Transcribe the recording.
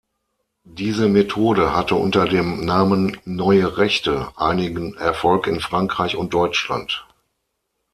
Diese Methode hatte unter dem Namen „Neue Rechte“ einigen Erfolg in Frankreich und Deutschland.